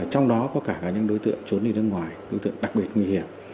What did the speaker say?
trong đó có cả những đối tượng trốn đi nước ngoài đối tượng đặc biệt nguy hiểm